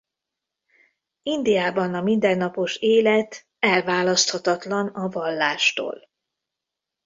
Indiában a mindennapos élet elválaszthatatlan a vallástól.